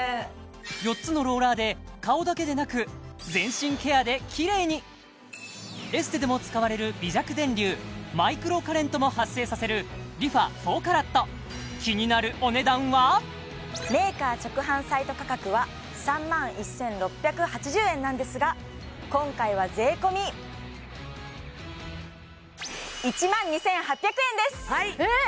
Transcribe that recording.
４つのローラーで顔だけでなく全身ケアできれいにエステでも使われる微弱電流マイクロカレントも発生させるＲｅＦａ４ＣＡＲＡＴメーカー直販サイト価格は３１６８０円なんですが今回は税込１２８００円です！えっ？